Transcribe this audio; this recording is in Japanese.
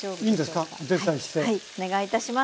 はいお願いいたします。